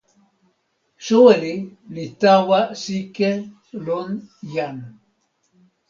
soweli li tawa sike lon jan.